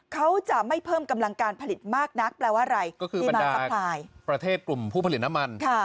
เขาจะไม่เพิ่มกำลังการผลิตมากนักแปลว่าอะไรก็คือประเทศกลุ่มผู้ผลิตน้ำมัน